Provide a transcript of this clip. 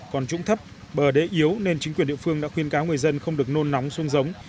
còn trũng thấp bờ đế yếu nên chính quyền địa phương đã khuyên cáo người dân không được nôn nóng xuống giống